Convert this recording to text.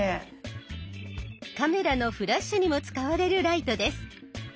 カメラのフラッシュにも使われるライトです。